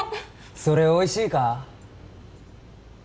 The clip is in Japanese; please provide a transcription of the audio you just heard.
それおいしいか？